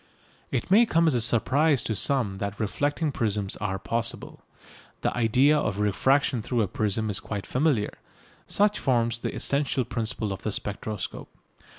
It may come as a surprise to some that reflecting prisms are possible. The idea of refraction through a prism is quite familiar. Such forms the essential principle of the spectroscope.